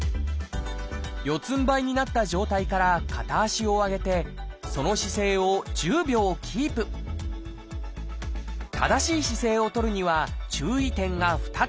四つんばいになった状態から片足を上げてその姿勢を１０秒キープ正しい姿勢を取るには注意点が２つ。